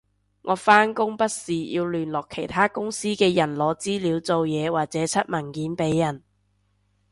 我返工不時要聯絡其他公司嘅人攞資料做嘢或者出文件畀人